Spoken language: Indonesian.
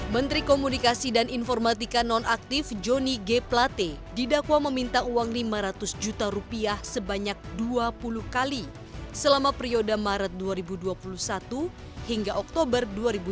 menteri komunikasi dan informatika nonaktif joni g plate didakwa meminta uang lima ratus juta rupiah sebanyak dua puluh kali selama periode maret dua ribu dua puluh satu hingga oktober dua ribu dua puluh